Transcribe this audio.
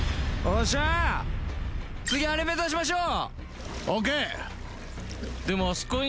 次、あれ目指しましょう。